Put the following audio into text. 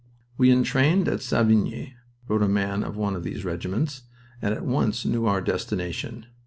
"We entrained at Savigny," wrote a man of one of these regiments, "and at once knew our destination.